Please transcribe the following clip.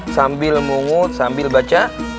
sambil mungut sambil baca